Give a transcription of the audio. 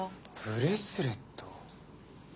ブレスレット？